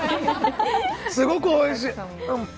すごくおいしい！